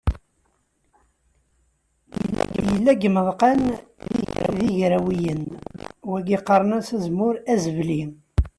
Yella deg yimeḍqan d igrawiyen, wagi qqaren-as azemmur azebli.